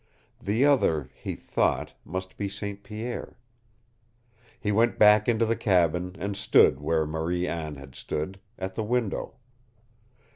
The other, he thought, must be St. Pierre. He went back into the cabin and stood where Marie Anne had stood at the window.